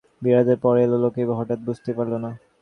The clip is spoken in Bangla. পালকিতে করে নিঃশব্দে বিয়েবাড়িতে বর এল, লোকে হঠাৎ বুঝতেই পারলে না।